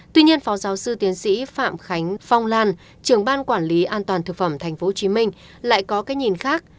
tuy nhiên phó giáo sư tiến sĩ phạm khánh phong lan trưởng ban quản lý an toàn thực phẩm tp hcm lại có cái nhìn khác